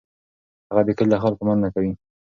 هغه د کلي له خلکو مننه کوي.